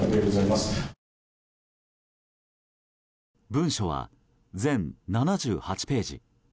文書は全７８ページ。